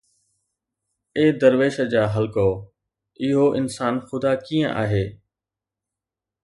اي درويش جا حلقو، اهو انسان خدا ڪيئن آهي؟